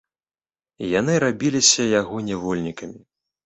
Яны рабіліся яго нявольнікамі.